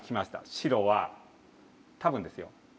白は多分ですよ